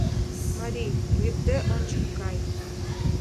Марий, лӱдде ончык кай!